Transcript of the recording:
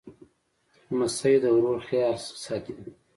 لمسی د ورور خیال ساتي.